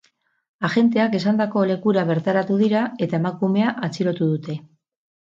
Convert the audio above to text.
Agenteak esandako lekura bertaratu dira, eta emakumea atxilotu dute.